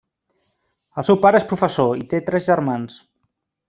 El seu pare és professor i té tres germans.